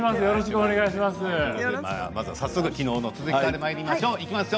早速、昨日の続きからまいりましょう。